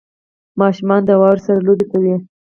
• ماشومان د واورې سره لوبې کوي.